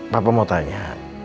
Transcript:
pak mau tanya